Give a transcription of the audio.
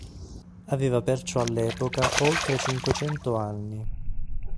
Aveva perciò all'epoca oltre cinquecento anni.